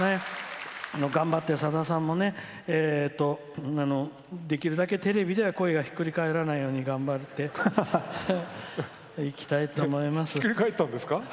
頑張って、さださんもできるだけテレビでは声がひっくり返らないように頑張っていきたいと思います。